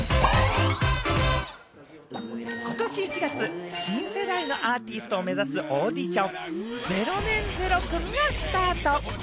今年１月、新世代のアーティストを目指すオーディション『０年０組』がスタート。